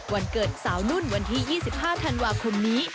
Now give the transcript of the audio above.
วันเกิดสาวนุ่นวันที่๒๕ธันวาคมนี้